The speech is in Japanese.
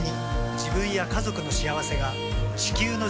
自分や家族の幸せが地球の幸せにつながっている。